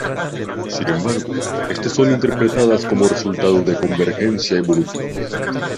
Sin embargo, estos son interpretadas como resultado de convergencia evolutiva.